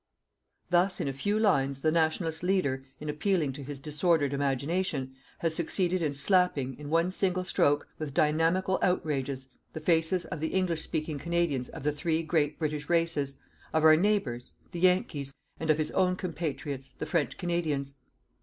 Thus, in a few lines the Nationalist leader, in appealing to his disordered imagination, has succeeded in slapping, in one single stroke, with dynamical outrages, the faces of the English speaking Canadians of the three great British races, of our neighbours, the Yankees, and of his own compatriots, the French Canadians.